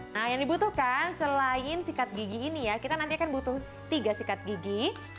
nah yang dibutuhkan selain sikat gigi ini ya kita nanti akan butuh tiga sikat gigi